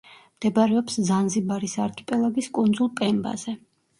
მდებარეობს ზანზიბარის არქიპელაგის კუნძულ პემბაზე.